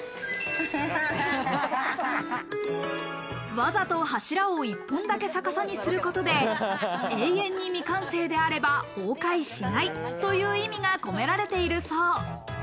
わざと柱を１本だけ逆さにすることで、永遠に未完成であれば崩壊しないという意味が込められているそう。